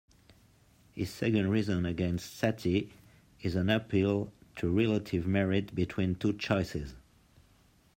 His second reason against sati is an appeal to relative merit between two choices.